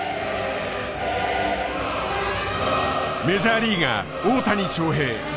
メジャーリーガー大谷翔平。